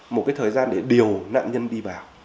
một cái thời gian để điều nạn nhân đi vào